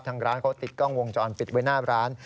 ทางร้านเขาติดกล้องวงจรปิดไว้หน้าร้าน